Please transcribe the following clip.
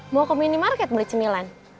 mau ke minimarket beli cemilan